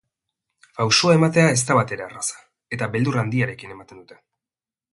Pausoa ematea ez da batere erraza, eta beldur handiarekin ematen dute.